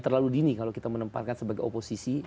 terlalu dini kalau kita menempatkan sebagai oposisi